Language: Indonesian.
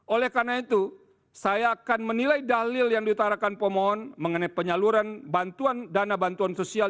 oleh karena itu saya akan menilai dalil yang diutarakan pemohon mengenai penyaluran bantuan dana bantuan sosial